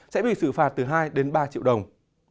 sẽ bị xử phạt từ hai ba triệu đồng